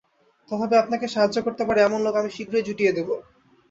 তথাপি আপনাকে সাহায্য করতে পারে, এমন লোক আমি শীঘ্রই জুটিয়ে দেব।